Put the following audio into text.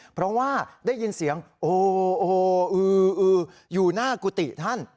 เพราะว่าได้ยินเสียงโอ้โหอืออยู่หน้ากุฏิท่าน